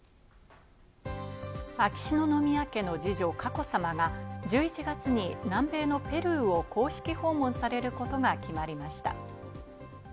秋篠宮家の二女、佳子さまが１１月に南米のペルーを公式訪問されることが決まりました。